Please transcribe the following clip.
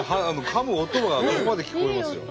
かむ音がここまで聞こえますよ。